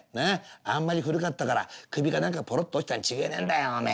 あんまり古かったから首か何かぽろっと落ちたに違えねえんだよおめえ。